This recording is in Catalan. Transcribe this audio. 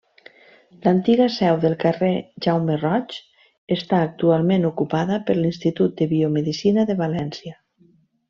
L'antiga seu del carrer Jaume Roig està actualment ocupada per l'Institut de Biomedicina de València.